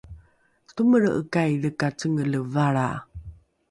tomelre’ekaidhe ka cengele valra